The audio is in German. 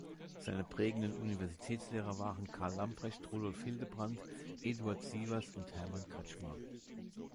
Seine prägenden Universitätslehrer waren: Karl Lamprecht, Rudolf Hildebrand, Eduard Sievers und Hermann Kretzschmar.